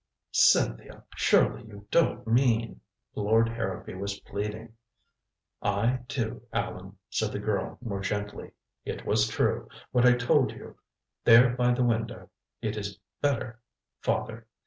"Cynthia surely you don't mean " Lord Harrowby was pleading. "I do, Allan," said the girl more gently. "It was true what I told you there by the window. It is better father!